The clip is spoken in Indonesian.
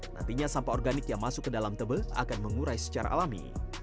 nantinya sampah organik yang masuk ke dalam tebel akan mengurai secara alami